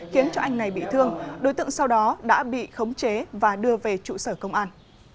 khiến cho anh này bị thương đối tượng sau đó đã bị khống chế và đưa về trụ sở công an